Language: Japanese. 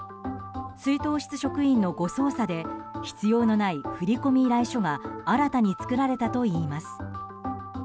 出納室職員の誤操作で必要のない振込依頼書が新たに作られたといいます。